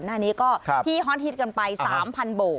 หน้านี้ก็ที่ฮอตฮิตกันไป๓๐๐โบก